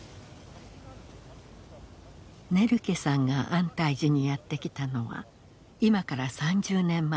ネルケさんが安泰寺にやって来たのは今から３０年前。